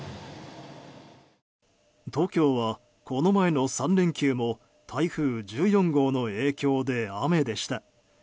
東京は、この前の３連休も台風１４号の影響で雨でした。